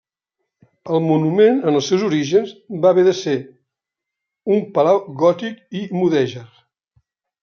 El monument en els seus orígens va haver de ser un palau gòtic i mudèjar.